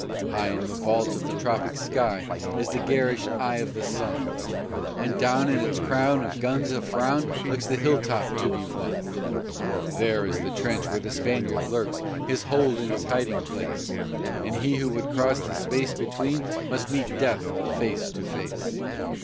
High in the vault of the tropic sky is the garish eye of the sun, And down with its crown of guns afrown looks the hilltop to be won; There is the trench where the Spaniard lurks, his hold and his hiding place, And he who would cross the space between must meet death face to face.